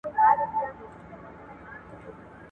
زه به لیکل کړي وي،